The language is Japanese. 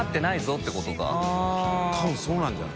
たぶんそうなんじゃない？